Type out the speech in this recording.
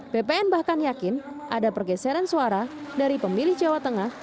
bpn bahkan yakin ada pergeseran suara dari pemilih jawa tengah